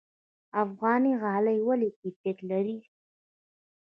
افغاني غالۍ ولې کیفیت لري؟